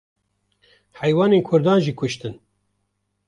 heywanên Kurdan jî kuştin.